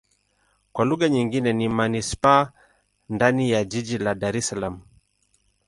Kwa lugha nyingine ni manisipaa ndani ya jiji la Dar Es Salaam.